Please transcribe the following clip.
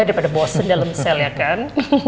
daripada bosen dalam sel ya kan